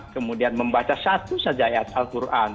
kemudian membaca satu saja ayat al quran